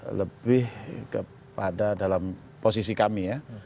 itu adalah lebih kepada dalam posisi kami ya